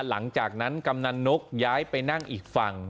หลังจากนั้นกำนันนกย้ายไปนั่งอีกฝั่ง